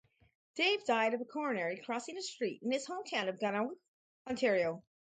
Day died of a coronary crossing a street in his hometown of Gananoque, Ontario.